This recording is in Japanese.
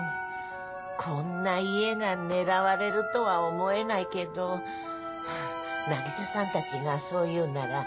こんな家が狙われるとは思えないけど渚さんたちがそう言うなら。